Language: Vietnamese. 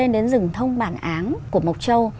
đến rừng thông bản áng của mộc châu